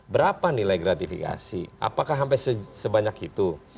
berapa nilai gratifikasi apakah sampai sebanyak itu